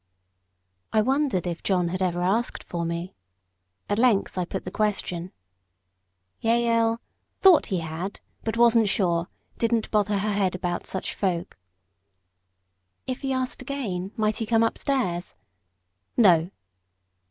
I wondered if John had ever asked for me. At length I put the question. Jael "thought he had but wasn't sure. Didn't bother her head about such folk." "If he asked again, might he come up stairs?" "No."